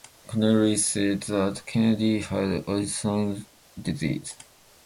Connally said that Kennedy had Addison's disease.